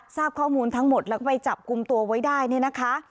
ทราบข้อมูลทั้งหมดแล้วก็ไปจับกลุ่มตัวไว้ได้เนี่ยนะคะ